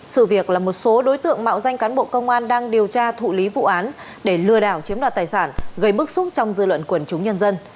sự việc là một số đối tượng mạo danh cán bộ công an đang điều tra thụ lý vụ án để lừa đảo chiếm đoạt tài sản gây bức xúc trong dư luận quần chúng nhân dân